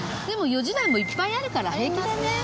でも４時台もいっぱいあるから平気だね。